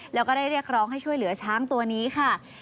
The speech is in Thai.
แล้วก็ได้เรียกร้องให้ช่วยเหลือช้างตัวนี้ค่ะ